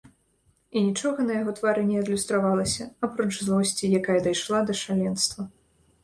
І нічога на яго твары не адлюстравалася, апроч злосці, якая дайшла да шаленства.